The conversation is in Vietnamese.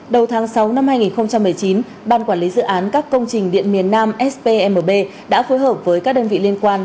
đầu tháng sáu năm hai nghìn một mươi chín ban quản lý dự án các công trình điện miền nam spmb đã phối hợp với các đơn vị liên quan